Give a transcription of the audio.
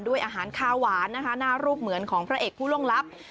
ด้วยอาหารคาหวานนะคะหน้ารูปเหมือนของพระเอกผู้ล่วงลับ